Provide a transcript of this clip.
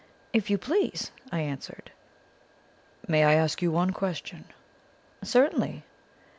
"If you please," I answered. "May I ask you one question?" "Certainly."